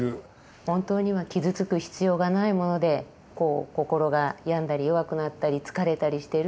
本当には傷つく必要がないものでこう心が病んだり弱くなったり疲れたりしてるっていうことを。